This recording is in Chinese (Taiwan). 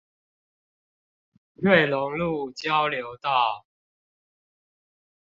瑞隆路交流道